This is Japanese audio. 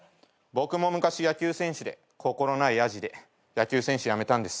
僕も昔野球選手で心ないやじで野球選手辞めたんです。